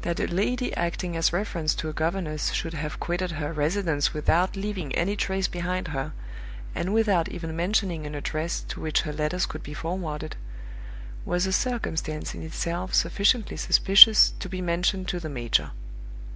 That a lady acting as reference to a governess should have quitted her residence without leaving any trace behind her, and without even mentioning an address to which her letters could be forwarded, was a circumstance in itself sufficiently suspicious to be mentioned to the major.